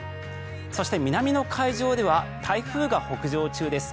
そして、南の海上では台風が北上中です。